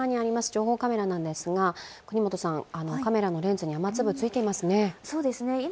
情報カメラなんですが、カメラのレンズに雨粒ついてますね。